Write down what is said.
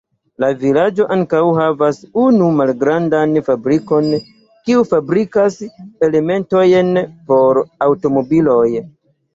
La vilaĝo ankaŭ havas unu malgrandan fabrikon, kiu fabrikas elementojn por aŭtomobiloj.